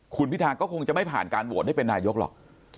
คุณพิทาแล้วคงไม่ภาพาของการโหวตได้เป็นนายกหรอก